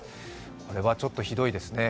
これはちょっとひどいですね。